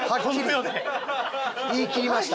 言いきりました！